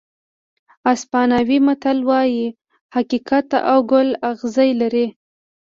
اسپانوي متل وایي حقیقت او ګل اغزي لري.